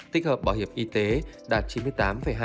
tích hợp bảo hiểm y tế đạt chín mươi tám hai